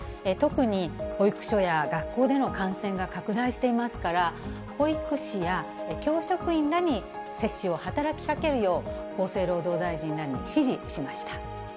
特に保育所や学校での感染が拡大していますから、保育士や教職員らに接種を働きかけるよう、厚生労働大臣らに指示しました。